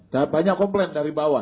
dan banyak komplain dari bawah